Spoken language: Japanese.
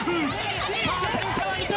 さあ点差は２点。